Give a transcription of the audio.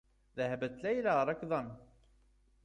ذهبت ليلى ركضا.